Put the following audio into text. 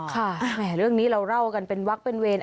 ค่ะเรื่องนี้เราเล่ากันเป็นวักเป็นเวร